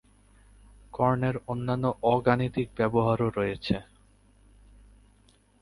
কর্ণের অন্যান্য অ-গাণিতিক ব্যবহারও রয়েছে।